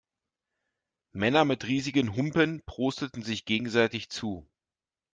Männer mit riesigen Humpen prosteten sich gegenseitig zu.